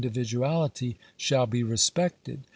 441 dividuality shall be respected.